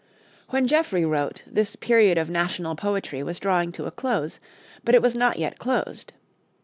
When Geoffrey wrote, this period of national poetry was drawing to a close; but it was not yet closed.